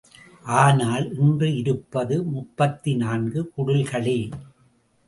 ஆனால், இன்று இருப்பது முப்பத்து நான்கு குடில்களே.